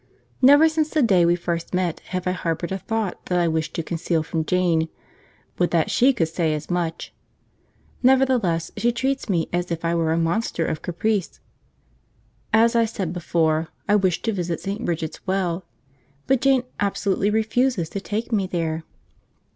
Never since the day we first met have I harboured a thought that I wished to conceal from Jane (would that she could say as much!); nevertheless she treats me as if I were a monster of caprice. As I said before, I wish to visit St. Bridget's Well, but Jane absolutely refuses to take me there.